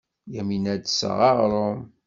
Yamina ad d-tseɣ aɣrum.